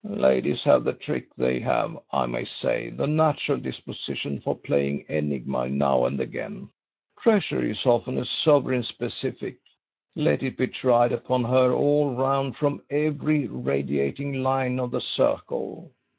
"Ladies have the trick, they have, I may say, the natural disposition for playing enigma now and again. Pressure is often a sovereign specific. Let it be tried upon her all round from every radiating line of the circle.